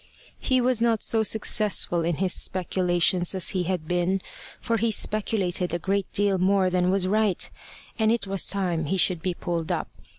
He was not so successful in his speculations as he had been, for he speculated a great deal more than was right, and it was time he should be pulled up.